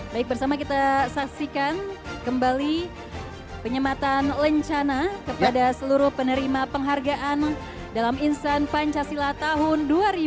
baik bersama kita saksikan kembali penyematan lencana kepada seluruh penerima penghargaan dalam insan pancasila tahun dua ribu dua puluh